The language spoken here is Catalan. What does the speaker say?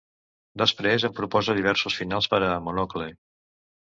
Després em proposa diversos finals per a "Monocle".